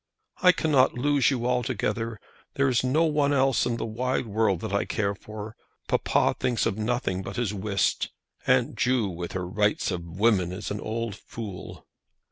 "I cannot lose you altogether. There is no one else in the wide world that I care for. Papa thinks of nothing but his whist. Aunt Ju, with her 'Rights of Women,' is an old fool."